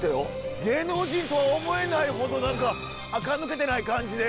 芸能人とは思えないほど何かあか抜けてない感じで。